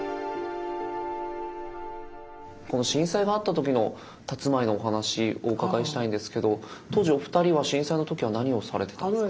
この震災があった時のたつまいのお話お伺いしたいんですけど当時お二人は震災の時は何をされてたんですか？